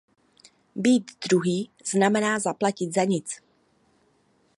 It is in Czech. Být druhý znamená zaplatit za nic.